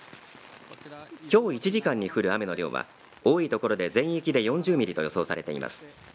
きょう１時間に降る雨の量は多いところで全域で４０ミリと予想されています。